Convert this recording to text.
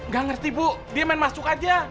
gak ngerti bu dia main masuk aja